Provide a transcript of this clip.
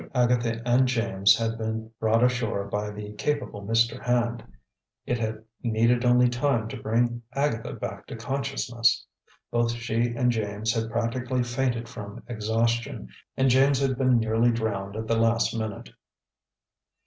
After Agatha and James had been brought ashore by the capable Mr. Hand, it had needed only time to bring Agatha back to consciousness. Both she and James had practically fainted from exhaustion, and James had been nearly drowned, at the last minute.